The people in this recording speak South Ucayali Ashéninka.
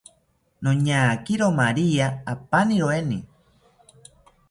Noñakiro maria apaniroeni